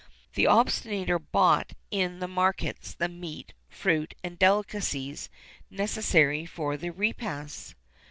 [XXXIII 13] The obsonator bought in the markets the meat, fruit, and delicacies necessary for the repasts.